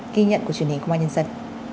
kỳ nhận của truyền hình công an nhân dân